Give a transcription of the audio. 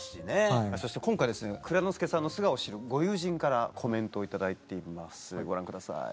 そして今回蔵之介さんの素顔を知るご友人からコメントを頂いていますご覧ください。